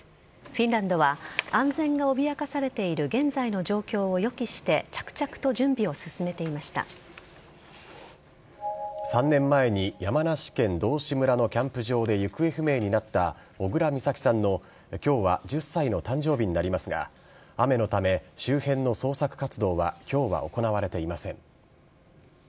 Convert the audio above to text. フィンランドは安全が脅かされている現在の状況を予期して着々と３年前に山梨県道志村のキャンプ場で行方不明になった小倉美咲さんの今日は１０歳の誕生日になりますが雨のため、周辺の捜索活動は今日は行われていません。